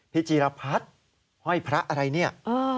พี่จิรพัฒน์เฮ้ยพระอะไรเนี่ย